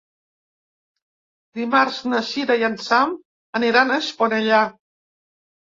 Dimarts na Sira i en Sam aniran a Esponellà.